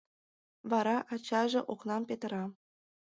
Вара ачаже окнам петыра.